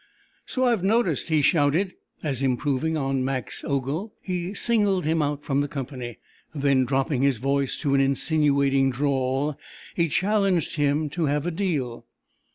"So I've noticed," he shouted as, improving on Mac's ogle, he singled him out from the company, then dropping his voice to an insinuating drawl he challenged him to have a deal.